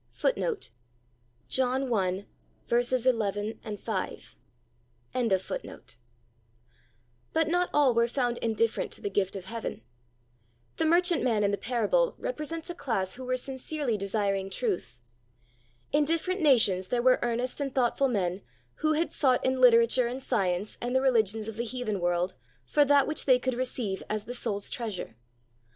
"^ But not all were found indifferent to the gift of heaven. The merchantman in the parable represents a class who were sincerely desiring truth. In different nations there were earnest and thoughtful men who had sought in literature and science and the religions of the heathen world for that which they could receive as the soul's treasure.